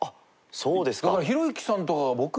そうですか。